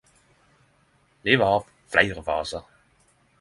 Livet har fleire fasar.